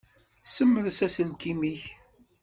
Ssemres aselkim-ik.